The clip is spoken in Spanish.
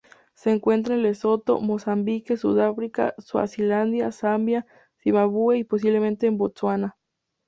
Se encuentra en Lesoto, Mozambique, Sudáfrica, Suazilandia, Zambia, Zimbabue y, posiblemente en Botsuana.